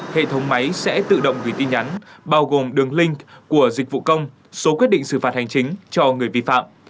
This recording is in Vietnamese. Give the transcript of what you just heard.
hệ thống máy sẽ tự động gửi tin nhắn bao gồm đường link của dịch vụ công số quyết định xử phạt hành chính cho người vi phạm